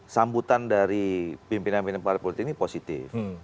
sambutan dari pimpinan pimpinan partai politik ini positif